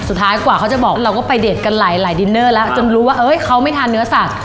กว่าเขาจะบอกเราก็ไปเดทกันหลายดินเนอร์แล้วจนรู้ว่าเขาไม่ทานเนื้อสัตว